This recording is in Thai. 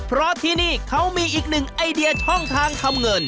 เพราะที่นี่เขามีอีกหนึ่งไอเดียช่องทางทำเงิน